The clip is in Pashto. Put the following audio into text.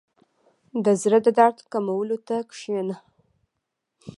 • د زړۀ د درد کمولو ته کښېنه.